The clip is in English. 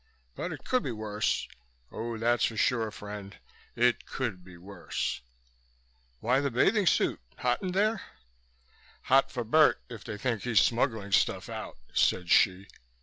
But it could be worse. Oh, that's for sure, friend: It could be worse." "Why the bathing suit? Hot in there?" "Hot for Bert if they think he's smuggling stuff out," said Hsi.